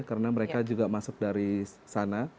karena mereka juga masuk dari sana